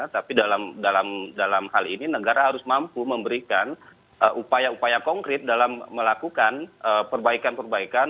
tapi dalam hal ini negara harus mampu memberikan upaya upaya konkret dalam melakukan perbaikan perbaikan